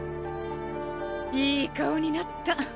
いい顔になった。